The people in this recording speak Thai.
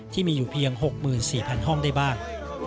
ที่มีอยู่เพียง๖๔๐๐ห้องได้บ้าง